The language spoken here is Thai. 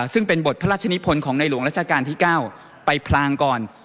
ซึ่งเป็นบทพระราชนิพลของในหลวงรัชกาลที่๙ไปพลางก่อน